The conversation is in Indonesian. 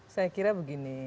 saya kira begini